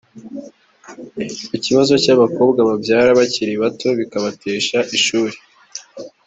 ku kibazo cy’abakobwa babyara bakiri bato bikabatesha ishuri